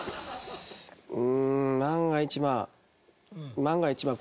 うーん万が一まあ。